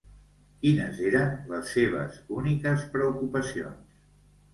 Quines eren les seves úniques preocupacions?